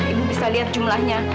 ibu bisa lihat jumlahnya